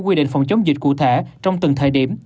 quy định phòng chống dịch cụ thể trong từng thời điểm